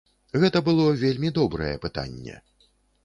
Гэта было вельмі добрае пытанне.